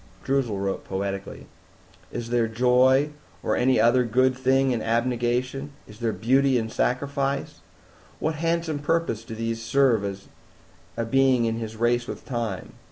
Droozle wrote poetically, "Is there Joy or any other good thing in Abnegation? Is there Beauty in Sacrifice? What Handsome purpose do these serve a being in his race with Time?